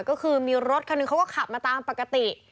ก็คือมีรถคันหนึ่งเขาก็ขับมาตามปกติ